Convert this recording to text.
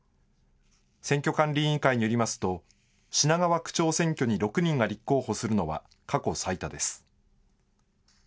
選挙管理委員会によりますと品川区長選挙に６人が立候補するのは過去最多です。